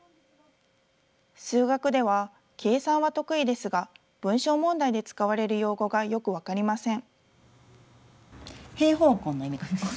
数学では、計算は得意ですが、文章問題で使われる用語がよく分かりません。